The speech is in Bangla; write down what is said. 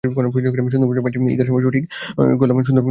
সুন্দরবানের পাশেই বাড়ি, ঈদের সময় ঠিক করলাম, সুন্দরবন দেখতে যাব।